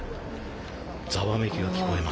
ざわめきが聞こえました。